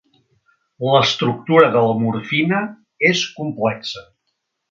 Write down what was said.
L'estructura de la morfina és complexa.